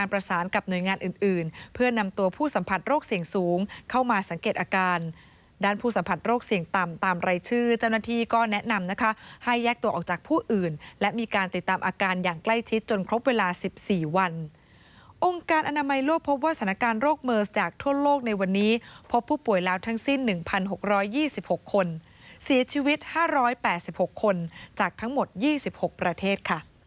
ประสานกับหน่วยงานอื่นเพื่อนำตัวผู้สัมผัสโรคเสี่ยงสูงเข้ามาสังเกตอาการด้านผู้สัมผัสโรคเสี่ยงต่ำตามรายชื่อเจ้าหน้าที่ก็แนะนำนะคะให้แยกตัวออกจากผู้อื่นและมีการติดตามอาการอย่างใกล้ชิดจนครบเวลา๑๔วันองค์การอนามัยโลกพบว่าสถานการณ์โรคเมิร์สจากทั่วโลกในวันนี้พบผู้ป่วยแล้วทั้งสิ้น๑๖๒๖คนเสียชีวิต๕๘๖คนจากทั้งหมด๒๖ประเทศค่ะ